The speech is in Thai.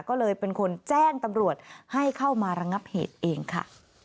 ก็เลยเป็นคนแจ้งตำรวจให้เข้ามาระงับเหตุเองค่ะ